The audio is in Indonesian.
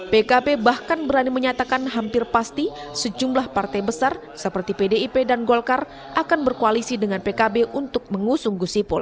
pkb bahkan berani menyatakan hampir pasti sejumlah partai besar seperti pdip dan golkar akan berkoalisi dengan pkb untuk mengusung gusipul